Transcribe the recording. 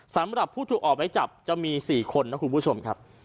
สำหรับผู้ถูกออกไว้จับจะมี๔คนนะคุณผู้ชมครับ